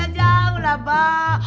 jauh lah mbak